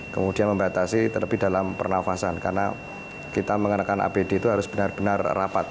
kemudian membatasi terlebih dalam pernafasan karena kita mengenakan apd itu harus benar benar rapat